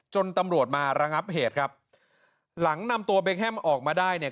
จนตำรวจมาระงับเหตุครับหลังนำตัวเบคแฮมออกมาได้เนี่ย